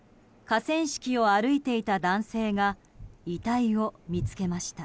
河川敷を歩いていた男性が遺体を見つけました。